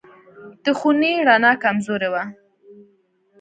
د خونې رڼا کمزورې وه.